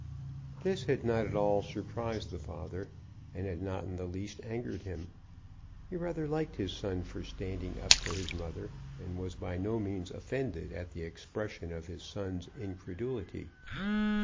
This had not at all surprised the father, and had not in the least angered him. He rather liked his son for standing up for his mother, and was by no means offended at the expression of his son's incredulity.